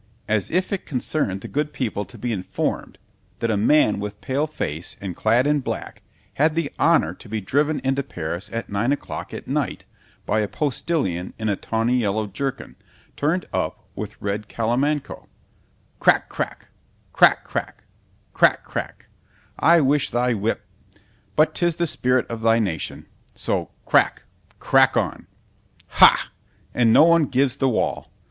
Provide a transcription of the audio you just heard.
—as if it concerned the good people to be informed, that a man with pale face and clad in black, had the honour to be driven into Paris at nine o'clock at night, by a postillion in a tawny yellow jerkin, turned up with red calamanco—crack, crack——crack, crack——crack, crack,——I wish thy whip—— ——But 'tis the spirit of thy nation; so crack—crack on. Ha!——and no one gives the wall!